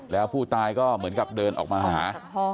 แล้วผู้ตายก็เหมือนกับเดินออกมาหา